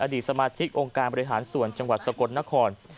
ดีสมาชิกองค์การบริหารส่วนจังหวัดสกลนคร